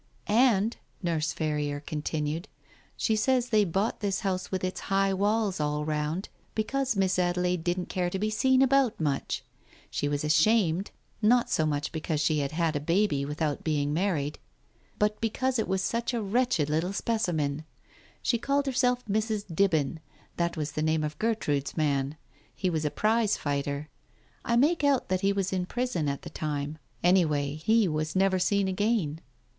"And," Nurse Ferrier continued, "she says they bought this house with its high walls all round, because Miss Adelaide didn't care to be seen about much. She was ashamed, not so much because she had had a baby without being married, but because it was such a wretched little specimen. She called herself Mrs. Dibben — that was the name of Gertrude's man — he was a prize fighter. I make out that he was in prison at the time. Any way, he was never seen again.